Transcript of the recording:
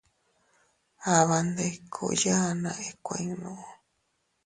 Aaban ndikuu yaanna ikuuinnu.